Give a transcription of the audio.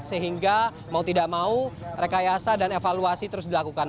sehingga mau tidak mau rekayasa dan evaluasi terus dilakukan